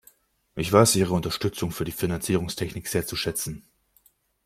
Ich weiß Ihre Unterstützung für die Finanzierungstechnik sehr zu schätzen.